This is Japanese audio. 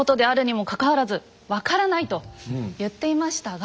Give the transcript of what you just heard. と言っていましたが。